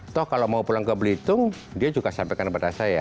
toh kalau mau pulang ke belitung dia juga sampaikan kepada saya